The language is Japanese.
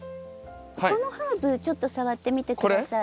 そのハーブちょっと触ってみて下さい。